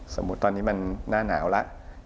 สมมุติตอนนี้มันหน้าหนาวแล้ว